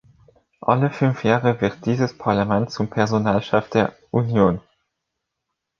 Alle fünf Jahre wird dieses Parlament zum Personalchef der Union.